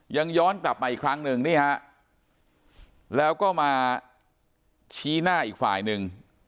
ย้อนกลับมาอีกครั้งหนึ่งนี่ฮะแล้วก็มาชี้หน้าอีกฝ่ายหนึ่ง